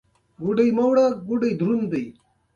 ازادي راډیو د ټولنیز بدلون په اړه د حکومتي ستراتیژۍ ارزونه کړې.